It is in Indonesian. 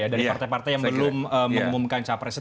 dari partai partai yang belum mengumumkan capresnya